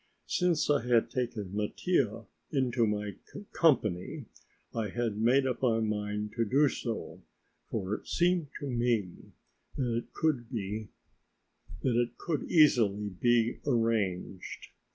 Since I had taken Mattia into my "company" I had made up my mind to do so, for it seemed to me that it could easily be arranged.